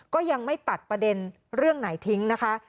ก็ยังไม่ตัดประเด็นเรื่องไหนทิ้งนะคะ